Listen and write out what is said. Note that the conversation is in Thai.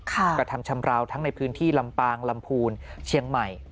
กระทำชำราวทั้งในพื้นที่ลำปางลำพูนเชียงใหม่